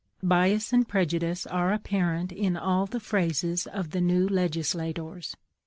Bias and prejudice are apparent in all the phrases of the new legislators.